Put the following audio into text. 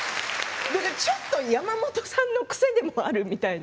ちょっと山本さんの癖でもあるみたいな。